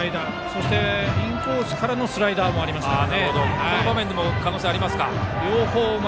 そしてインコースからのスライダーもありますから。